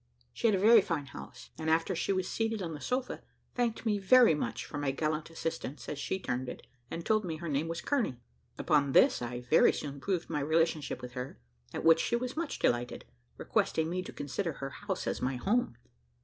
She had a very fine house, and after she was seated on the sofa, thanked me very much for my gallant assistance, as she termed it, and told me her name was Kearney: upon this I very soon proved my relationship with her, at which she was much delighted, requesting me to consider her house as my home.